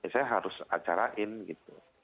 saya harus acarain gitu